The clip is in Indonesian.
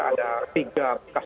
ada tiga berkas